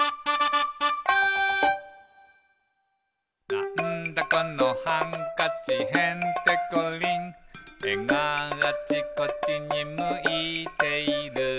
「なんだこのハンカチへんてこりん」「えがあちこちにむいている」